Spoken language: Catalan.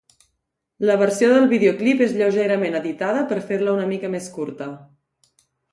La versió del videoclip és lleugerament editada per fer-la una mica més curta.